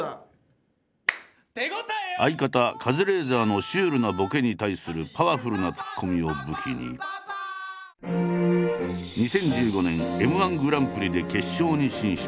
相方カズレーザーのシュールなボケに対するパワフルなツッコミを武器に２０１５年Ｍ−１グランプリで決勝に進出。